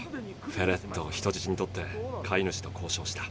フェレットを人質に取って飼い主と交渉した。